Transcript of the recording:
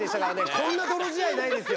こんなどろ仕合ないですよ。